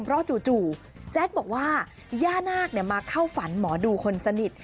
เพราะจู่แจ๊กบอกว่าย่านาคมาเข้าฝันหมอดูคนสนิท